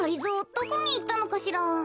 どこにいったのかしら？